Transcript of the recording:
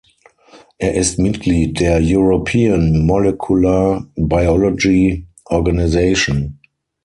Er ist Mitglied der European Molecular Biology Organization.